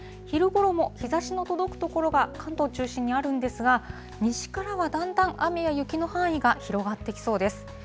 昼ごろも日ざしの届く所が関東中心にあるんですが、西からはだんだん雨や雪の範囲が広がってきそうです。